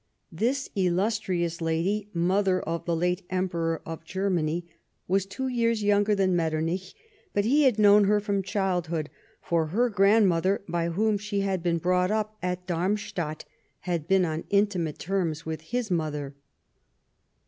This illustrious lady, mother of the late Emperor of Germany, was two years younger than Metternich, but he had known her from childhood, for iher grandmother, by whom she had been brought up at Darmstadt, had been on intimate terms with his mother.